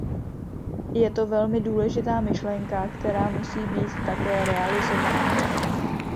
Je to velmi důležitá myšlenka, která musí být také realizována.